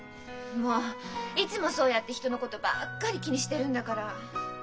もういつもそうやって人のことばっかり気にしてるんだから。